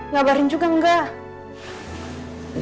gabarin juga enggak